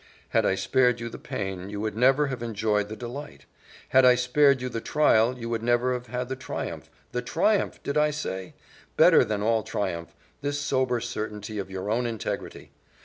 "Had I spared you the pain, you would never have enjoyed the delight; had I spared you the trial, you would never have had the triumph the triumph, did I say? Better than all triumph, this sober certainty of your own integrity.